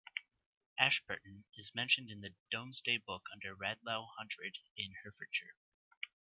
Ashperton is mentioned in the Domesday Book under Radlow hundred in Herefordshire.